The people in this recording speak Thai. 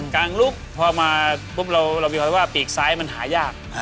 ลุกพอมาปุ๊บเรามีความว่าปีกซ้ายมันหายาก